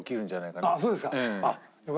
あっそうですか。